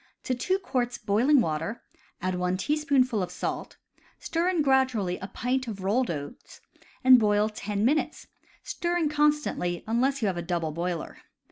To two quarts boiling water add one teaspoonful of salt, stir in gradually a pint of rolled oats, and boil ten minutes, stirring con stantly, unless you have a double boiler.